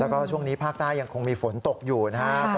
แล้วก็ช่วงนี้ภาคใต้ยังคงมีฝนตกอยู่นะครับ